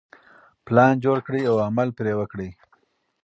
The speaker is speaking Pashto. پلان جوړ کړئ او عمل پرې وکړئ.